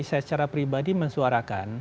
secara pribadi mensuarakan